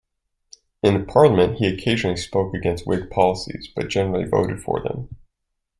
In parliament he occasionally spoke against Whig policies, but generally voted for them.